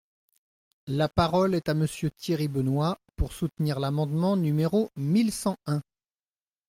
La parole est à Monsieur Thierry Benoit, pour soutenir l’amendement numéro mille cent un.